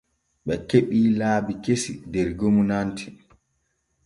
Ɓe keɓii laabi kesi der gomnati.